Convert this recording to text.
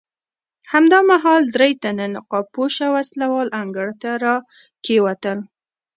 همدا مهال درې تنه نقاب پوشه وسله وال انګړ ته راکېوتل.